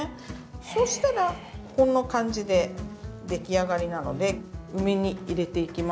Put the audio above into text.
そうしたらこんな感じでできあがりなので梅に入れていきますね。